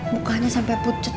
bukannya sampe pucet